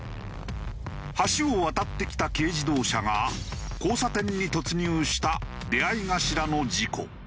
橋を渡ってきた軽自動車が交差点に突入した出合い頭の事故。